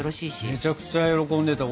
めちゃめちゃ喜んでた。